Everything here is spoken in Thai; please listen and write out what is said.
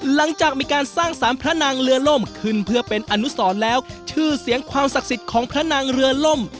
หลังจากมีการสร้างสารพระนางเรือล่มขึ้นเพื่อเป็นอนุสรแล้วชื่อเสียงความศักดิ์สิทธิ์ของพระนางเรือล่ม